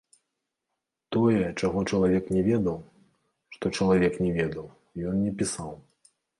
Тое, чаго чалавек не ведаў, што чалавек не ведаў, ён не пісаў.